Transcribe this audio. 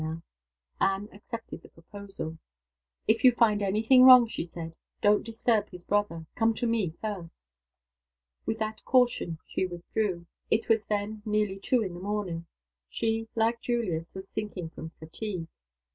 Anne accepted the proposal. "If you find any thing wrong," she said, "don't disturb his brother. Come to me first." With that caution she withdrew. It was then nearly two in the morning. She, like Julius, was sinking from fatigue.